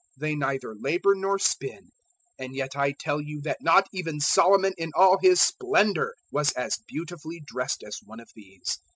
They neither labour nor spin. And yet I tell you that not even Solomon in all his splendour was as beautifully dressed as one of these.